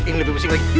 yang lebih busing lagi